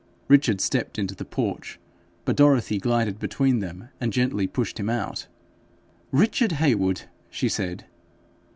Richard stepped into the porch, but Dorothy glided between them, and gently pushed him out. 'Richard Heywood!' she said.